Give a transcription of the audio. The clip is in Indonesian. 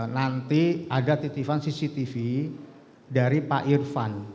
nanti ada titipan cctv dari pak irfan